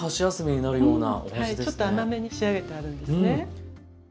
ちょっと甘めに仕上げてあるんですね。